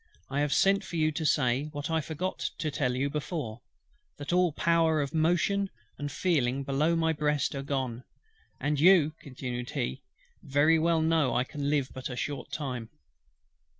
I have sent for you to say, what I forgot to tell you before, that all power of motion and feeling below my breast are gone; and you" continued he, "very well know I can live but a short time."